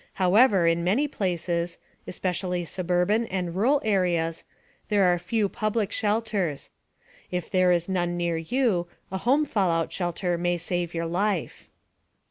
However, in many places especially suburban and rural areas there are few public shelters. If there is none near you, a home fallout shelter may save your life.